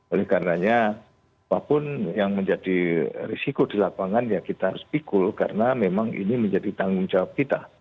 oleh karenanya apapun yang menjadi risiko di lapangan ya kita harus pikul karena memang ini menjadi tanggung jawab kita